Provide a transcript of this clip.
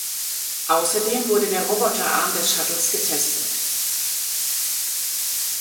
Außerdem wurde der Roboterarm des Shuttles getestet.